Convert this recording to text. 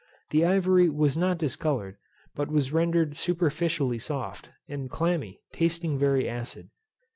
The ivory was not discoloured, but was rendered superficially soft, and clammy, tasting very acid.